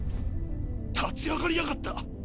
立ち上がりやがった！